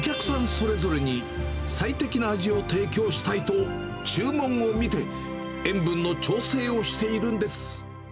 それぞれに最適な味を提供したいと、注文を見て、塩分の調整をしているんです。